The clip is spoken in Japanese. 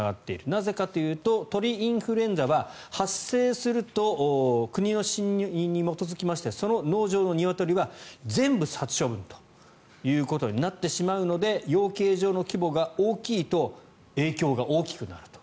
なぜかというと鳥インフルエンザは発生すると国の指針に基づきましてその農場のニワトリは全部殺処分ということになってしまうので養鶏場の規模が大きいと影響が大きくなると。